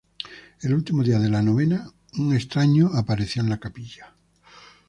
El último día de la novena un extraño apareció en la Capilla.